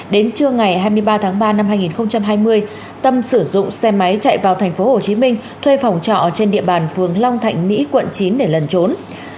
đến trưa ngày hai mươi ba tháng ba năm hai nghìn hai mươi tâm sử dụng xe máy chạy vào thành phố hồ chí minh thuê phòng trọ trên địa bàn phường long thạnh mỹ quận chín để lần trốn